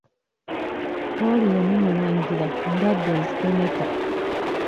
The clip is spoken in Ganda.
Pooliyo ne mulangira ndwadde ezigemeka.